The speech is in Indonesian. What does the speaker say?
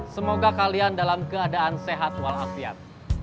semoga kalian dalam keadaan sehat walafiat